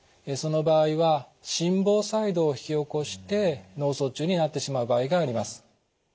その場合は心房細動を引き起こして脳卒中になってしまう場合があります。